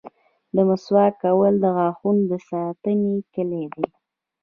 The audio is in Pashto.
• د مسواک کول د غاښونو د ساتنې کلي ده.